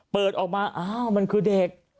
เปิดออกมาอ้าวมันคือเด็ก